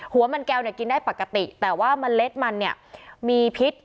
หัวมันแก้วเนี่ยกินได้ปกติแต่ว่าเมล็ดมันเนี่ยมีพิษ